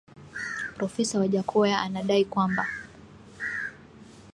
Profesa Wajackoya anadai kwamba